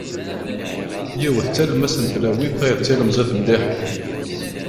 Yiwet d talemmast n tlawin, tayeḍt d tilmẓit mliḥ.